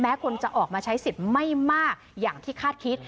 คนจะออกมาใช้สิทธิ์ไม่มากอย่างที่คาดคิด